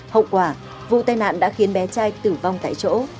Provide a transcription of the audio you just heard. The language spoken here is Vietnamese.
hậu quả vụ tai nạn đã khiến bé trai tử vong tại chỗ